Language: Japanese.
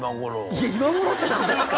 いや今頃って何ですか。